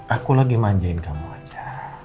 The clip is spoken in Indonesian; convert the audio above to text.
aku lagi manjain kamu aja